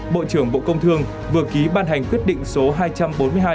bộ trưởng bộ công thương vừa ký ban hành quyết định số hai trăm bốn mươi hai